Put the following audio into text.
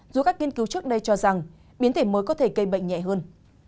dù các nghiên cứu trước đây cho rằng biến thể mới có thể gây bệnh nhẹ hơn